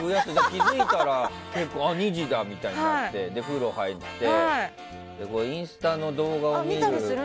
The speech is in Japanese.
気づいたら結構あ、２時だみたいになって風呂入ってインスタの動画を見る。